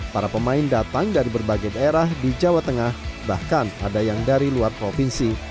para pemain datang dari berbagai daerah di jawa tengah bahkan ada yang dari luar provinsi